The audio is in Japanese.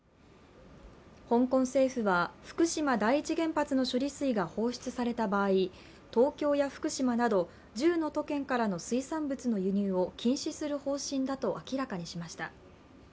香港政府は、福島第一原発の処理水が放出された場合、東京や福島など、１０の都県からの水産物の輸入を禁止する方針だと明らかにしました。